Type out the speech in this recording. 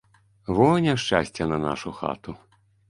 Во няшчасце на нашу хату.